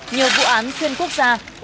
nhiều vụ án xuyên quốc gia